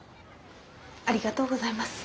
ありがとうございます。